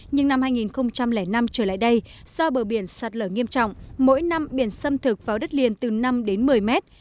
nhưng năm hai nghìn năm trở lại đây do bờ biển sạt lở nghiêm trọng mỗi năm biển xâm thực vào đất liền từ năm đến một mươi mét